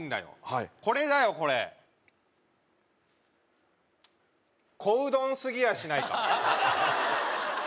はいこれだよこれ小うどんすぎやしないか？